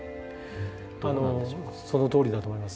あのそのとおりだと思います。